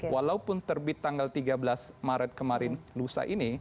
walaupun terbit tanggal tiga belas maret kemarin lusa ini